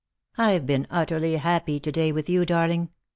I've been utterly happy to day with you, darling.